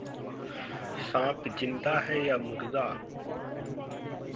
साँप ज़िंदा है या मुरदा?